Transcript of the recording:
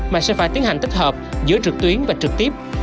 mà sẽ phải tiến hành tích hợp giữa trực tuyến và khai vấn